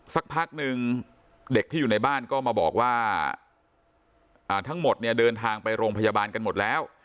สักพักหนึ่งเด็กที่อยู่ในบ้านก็มาบอกว่าทั้งหมดเนี่ยเดินทางไปโรงพยาบาลกันหมดแล้ว